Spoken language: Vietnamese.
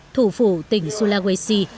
thủ phủ tỉnh sulawesi